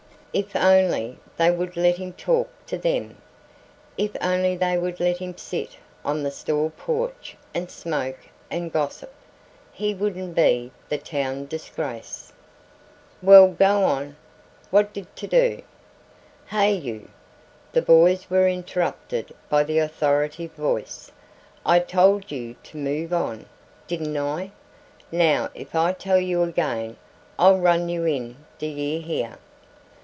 If only they would let him talk to them. If only they would let him sit on the store porch and smoke and gossip. He wouldn't be the town disgrace "Well go on what'd't do?" "Hey you!" the boys were interrupted by the authoritative voice "I told you to move on, didn't I now if I tell you again I'll run you in. D'yer hear?